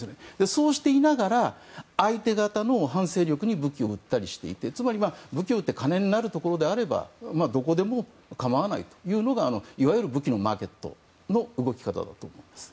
そうしていながら相手方の反政府勢力に武器を売ったりしていてつまり武器を売って金になるところであればどこでも構わないというのがいわゆる武器のマーケットの動き方だと思います。